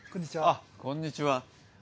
あっこんにちは。